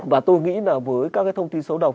và tôi nghĩ là với các cái thông tin xấu độc